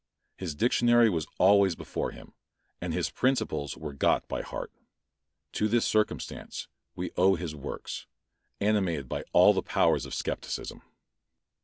His dictionary was always before him, and his principles were got by heart. To this circumstance we owe his works, animated by all the powers of scepticism.